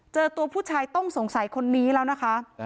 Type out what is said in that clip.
เจอตัวผู้ชายต้องสงสัยคนนี้แล้วนะคะ